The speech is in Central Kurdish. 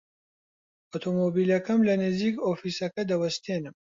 ئۆتۆمۆمبیلەکەم لە نزیک ئۆفیسەکە دەوەستێنم.